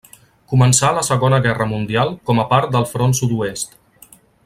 Començà la Segona Guerra Mundial com a part del Front Sud-oest.